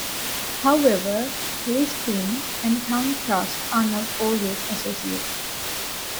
However, lisping and tongue thrust are not always associated.